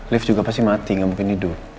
lift juga pasti mati gak mungkin hidup